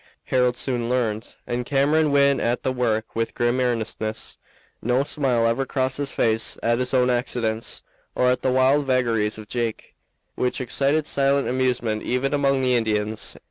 Harold soon learned, and Cameron went at the work with grim earnestness. No smile ever crossed his face at his own accidents or at the wild vagaries of Jake, which excited silent amusement even among the Indians.